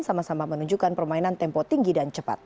sama sama menunjukkan permainan tempo tinggi dan cepat